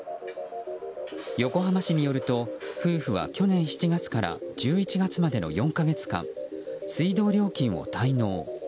横浜市によると、夫婦は去年７月から１１月までの４か月間水道料金を滞納。